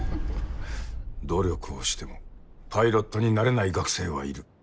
努力をしてもパイロットになれない学生はいる。